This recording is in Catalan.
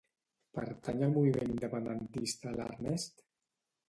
Pertany al moviment independentista l'Ernest?